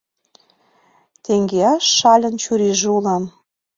Теҥгеаш шальын чурийже улам.